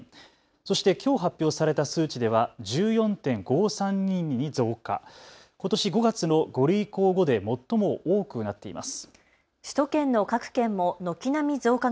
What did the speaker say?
そしてきょう発表された数値では１４．５３人に増加、ことし５月の５類移行後で最も多くなっています。